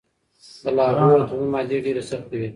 د لاهور د تړون مادې ډیرې سختې وې.